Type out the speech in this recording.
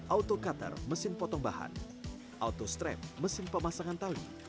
auto qatar mesin potong bahan auto strem mesin pemasangan tali